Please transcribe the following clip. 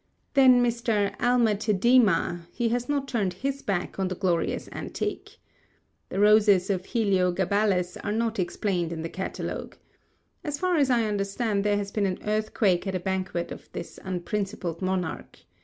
Then, Mr. Alma Tadema, he has not turned his back on the glorious Antique. "The Roses of Heliogabalus" are not explained in the catalogue. As far as I understand, there has been an earthquake at a banquet of this unprincipled monarch.